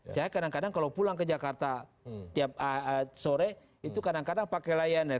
saya kadang kadang kalau pulang ke jakarta tiap sore itu kadang kadang pakai layanan